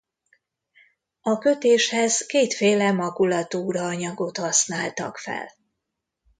A kötéshez kétféle makulatúra-anyagot használtak fel.